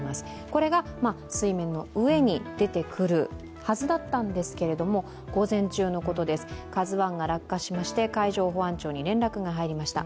これが水面の上に出てくるはずだったんですけれども、午前中のことです、「ＫＡＺＵⅠ」が落下しまして海上保安庁に連絡が入りました。